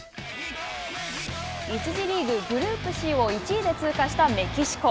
１次リーグ、グループＣを１位で通過したメキシコ。